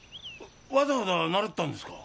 わざわざ習ったんですか？